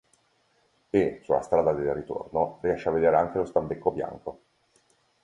E, sulla strada del ritorno, riesce a vedere anche lo stambecco bianco.